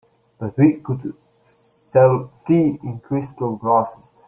But we could sell tea in crystal glasses.